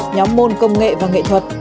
nhóm môn công nghệ và nghệ thuật